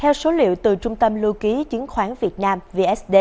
theo số liệu từ trung tâm lưu ký chứng khoán việt nam vsd